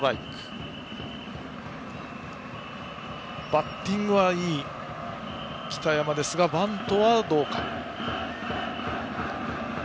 バッティングはいい北山ですがバントはどうか。